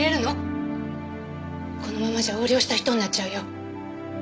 このままじゃ横領した人になっちゃうよ。